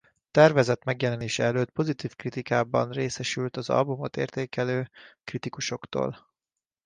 Tervezett megjelenése előtt pozitív kritikákban részesült az albumot értékelő kritikusoktól.